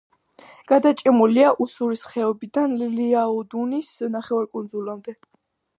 გადაჭიმულია უსურის ხეობიდან ლიაოდუნის ნახევარკუნძულამდე.